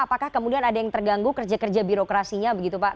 apakah kemudian ada yang terganggu kerja kerja birokrasinya begitu pak